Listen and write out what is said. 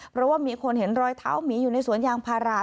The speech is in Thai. เพราะว่ามีคนเห็นรอยเท้าหมีอยู่ในสวนยางพารา